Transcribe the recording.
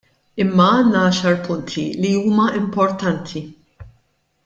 Imma għandna għaxar punti li huma importanti.